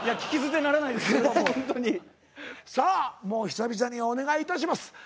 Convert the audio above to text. さあもう久々にお願いいたします。